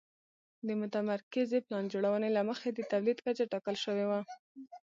د متمرکزې پلان جوړونې له مخې د تولید کچه ټاکل شوې وه